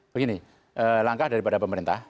begini langkah daripada pemerintah